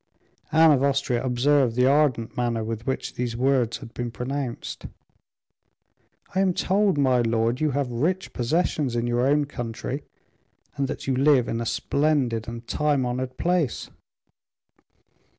Anne of Austria observed the ardent manner with which these words had been pronounced. "I am told, my lord, you have rich possessions in your own country, and that you live in a splendid and time honored place."